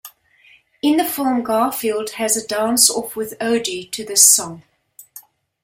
In the film, Garfield has a dance off with Odie to this song.